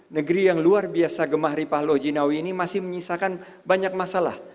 negeri yang luar biasa gemah ripah lojinawi ini masih menyisakan banyak masalah